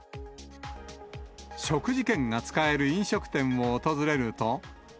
食事券が使える飲食店を訪れると。